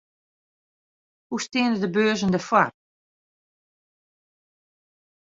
Hoe steane de beurzen derfoar?